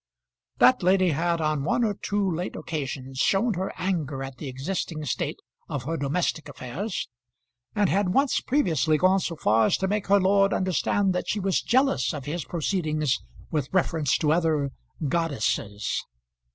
That lady had on one or two late occasions shown her anger at the existing state of her domestic affairs, and had once previously gone so far as to make her lord understand that she was jealous of his proceedings with reference to other goddesses.